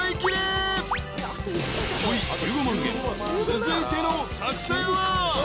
［続いての作戦は］